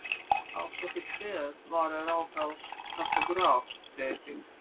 Als Offizier war er auch als Kartograph tätig.